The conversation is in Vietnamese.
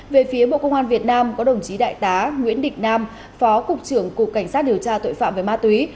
về phía bộ công an việt nam có đồng chí đại tá nguyễn định nam phó cục trưởng cục cảnh sát điều tra tội phạm về ma túy